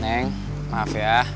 neng maaf ya